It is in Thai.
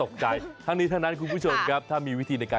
ในประเทศไทยเข้ายร้อนกันแบบไหนครับ